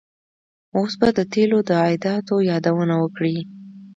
اوس به د تیلو د عایداتو یادونه وکړي.